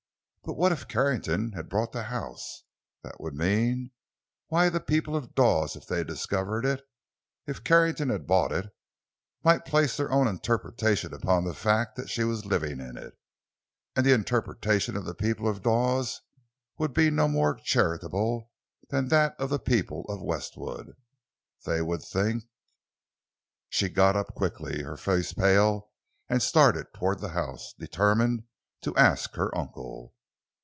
But what if Carrington had bought the house? That would mean—why, the people of Dawes, if they discovered it—if Carrington had bought it—might place their own interpretation upon the fact that she was living in it. And the interpretation of the people of Dawes would be no more charitable than that of the people of Westwood! They would think—— She got up quickly, her face pale, and started toward the house, determined to ask her uncle.